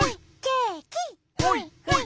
ほいほい。